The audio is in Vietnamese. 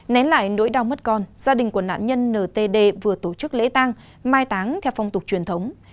nén lại nỗi đau mất con gia đình của nạn nhân ntd vừa tổ chức lễ tang mai táng theo phong tục truyền thống